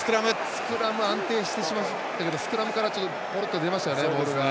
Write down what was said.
スクラム安定してますけどスクラムからポロッと出ましたよね、ボールが。